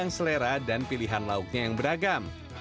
yang selera dan pilihan lauknya yang beragam